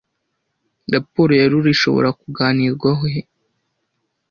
Raporo ya RURA ishobora kuganirwaho he